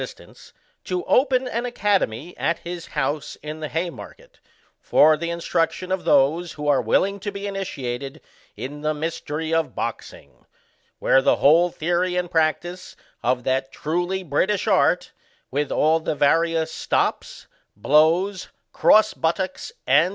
II. B* Digitized by VjOOQIC 10 BOXIANA ; OR, sistance, to open an academy, at his house, in the Haymarket, for the instruction of those who are willing to be initiated in the mystery of boxing, where the whole theory and practice of that truly British art, with all the various stops, blows, cross buttocks, &c.